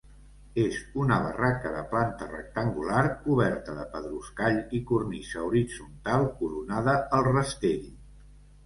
És una barraca de planta rectangular, coberta de pedruscall i cornisa horitzontal coronada al rastell.